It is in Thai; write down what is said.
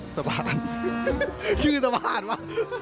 สะพานคริบสะพานวะ